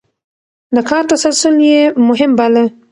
د کار تسلسل يې مهم باله.